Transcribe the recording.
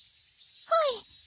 はい。